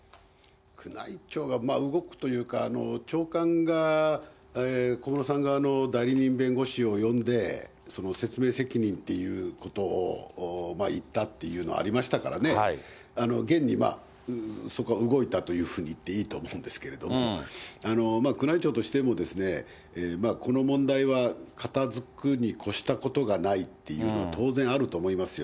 宮内庁が動くというか、長官が小室さん側の代理人弁護士を呼んで、説明責任っていうことを言ったっていうのがありましたからね、現にそこは動いたというふうに言っていいと思うんですけれども、宮内庁としても、この問題は片づくに越したことがないっていうのは当然あると思いますよ。